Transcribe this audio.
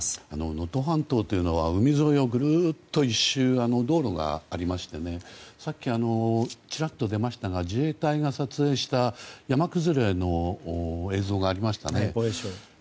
能登半島というのは海沿いをぐるっと１周する道路がありましてさっきちらっと出ましたが自衛隊が撮影した山崩れの映像がありましたね。